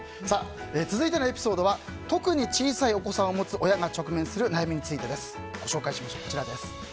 続いてのエピソードは特に小さいお子さんを持つ親が直面する悩みについてです。